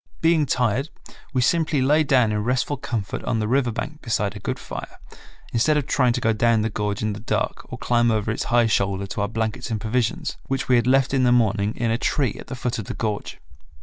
Being tired we simply lay down in restful comfort on the river bank beside a good fire, instead of trying to go down the gorge in the dark or climb over its high shoulder to our blankets and provisions, which we had left in the morning in a tree at the foot of the gorge.